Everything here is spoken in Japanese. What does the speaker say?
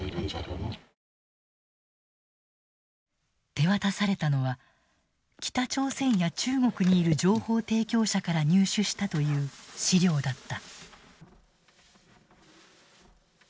手渡されたのは北朝鮮や中国にいる情報提供者から入手したという資料だった。